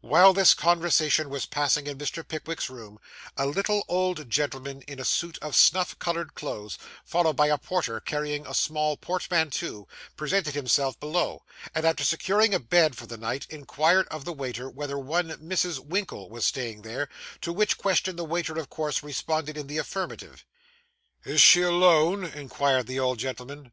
While this conversation was passing in Mr. Pickwick's room, a little old gentleman in a suit of snuff coloured clothes, followed by a porter carrying a small portmanteau, presented himself below; and, after securing a bed for the night, inquired of the waiter whether one Mrs. Winkle was staying there, to which question the waiter of course responded in the affirmative. 'Is she alone?' inquired the old gentleman.